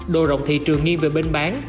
đồ rộng thị trường nghiêng về bên bán